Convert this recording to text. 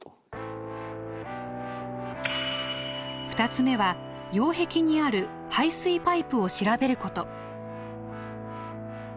２つ目は擁壁にある排水パイプを調べること。